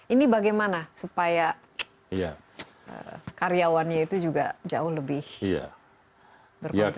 ini bagaimana supaya karyawannya itu juga jauh lebih berkontribusi